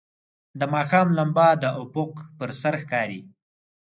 د ماښام لمبه د افق پر سر ښکاري.